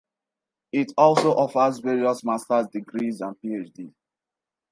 It also offers various Master's degrees and PhD.